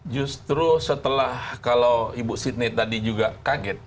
justru setelah kalau ibu sydney tadi juga kaget